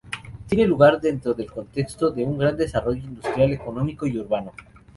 Tiene lugar dentro del contexto de un gran desarrollo industrial, económico y urbano.